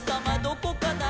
どこかな？」